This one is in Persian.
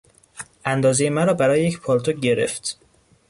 اندازهی مرا برای یک پالتو گرفت.